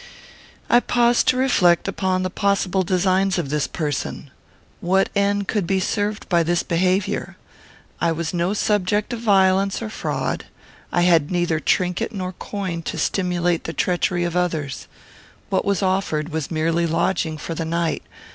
I paused to reflect upon the possible designs of this person. What end could be served by this behaviour? I was no subject of violence or fraud. I had neither trinket nor coin to stimulate the treachery of others. What was offered was merely lodging for the night.